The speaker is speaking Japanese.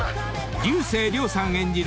［竜星涼さん演じる